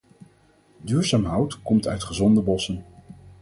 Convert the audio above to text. Duurzaam hout komt uit gezonde bossen